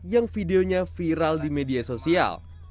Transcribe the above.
yang videonya viral di media sosial